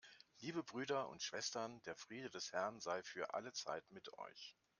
Liebe Brüder und Schwestern, der Friede des Herrn sei für alle Zeit mit euch.